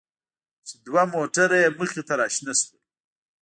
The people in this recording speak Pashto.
چې دوه موټره يې مخې ته راشنه شول.